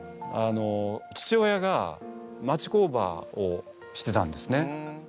父親が町工場をしてたんですね。